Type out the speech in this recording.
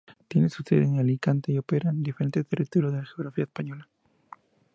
Tiene su sede en Alicante y opera en diferentes territorios de la geografía española.